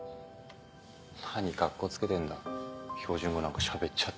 何カッコつけてんだ標準語なんかしゃべっちゃって。